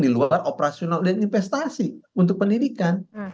di luar operasional dan investasi untuk pendidikan